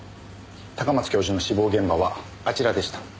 高松教授の死亡現場はあちらでした。